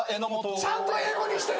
ちゃんと英語にしてる。